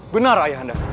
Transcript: benar ayah anda